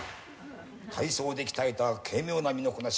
体操で鍛えた軽妙な身のこなし。